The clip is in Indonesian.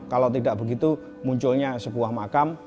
kalau tidak begitu munculnya sebuah makam